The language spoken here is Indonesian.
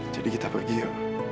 jadi kita pergi ya